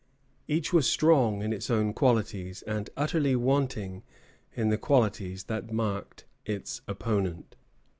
Each was strong in its own qualities, and utterly wanting in the qualities that marked its opponent.